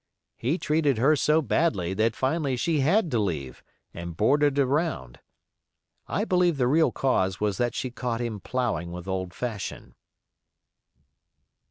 He treated her so badly that finally she had to leave, and boarded around. I believe the real cause was she caught him ploughing with old Fashion.